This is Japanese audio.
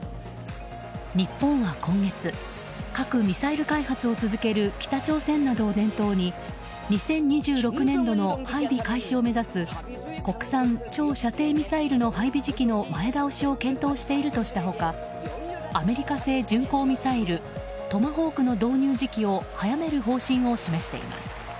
日本は今月核・ミサイル開発を続ける北朝鮮などを念頭に２０２６年度の配備開始を目指す国産長射程ミサイルの配備時期の前倒しを検討しているとした他アメリカ製巡航ミサイルトマホークの導入時期を早める方針を示しています。